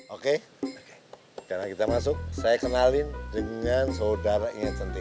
oke sekarang kita masuk saya kenalin dengan saudara inge cantini